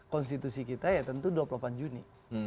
konstitusi kita ya tentu dua puluh delapan juni